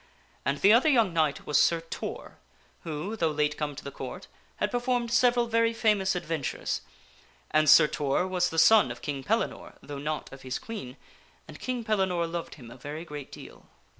And the other young knight was Sir Tor the Round who, though late come to the Court, had performed several Table very famous adventures. And Sir Tor was a son of King Pellinore (though not of his Queen), and King Pellinore loved him a very great deal.